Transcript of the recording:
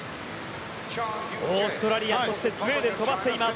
オーストラリアそしてスウェーデンが飛ばしています。